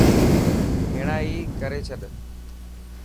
هيڻا ئي ڪري ڇڏ.